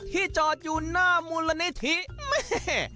ที่จอดอยู่หน้ามูลณิธิเฮ้เฮ